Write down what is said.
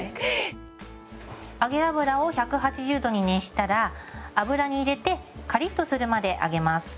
揚げ油を１８０℃に熱したら油に入れてカリッとするまで揚げます。